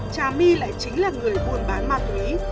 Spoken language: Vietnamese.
trà my lại chính là người buôn bán ma túy